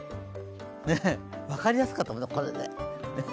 ね、分かりやすかったね、これね。